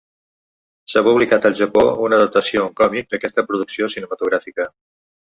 S'ha publicat al Japó una adaptació en còmic d'aquesta producció cinematogràfica.